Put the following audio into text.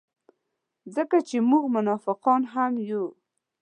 ځکه چې موږ منافقان هم یو.